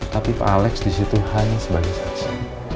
tapi pak alex disitu hanya sebagai saksi